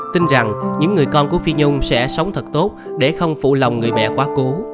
tin rằng những người con của phi nhung sẽ sống thật tốt để không phụ lòng người mẹ quá cú